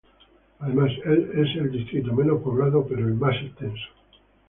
Además, es el distrito menos poblado, pero el más extenso del distrito.